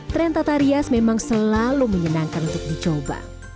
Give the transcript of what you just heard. tren tata rias memang selalu menyenangkan untuk dicoba